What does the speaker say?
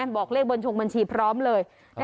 บอกเลขบัญชงบัญชีพร้อมเลย